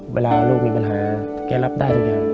เวลาลูกมีปัญหาแกรับได้ทุกอย่าง